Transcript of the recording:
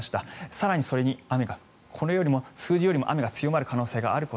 更にそれがこの数字より雨が強まる可能性があります。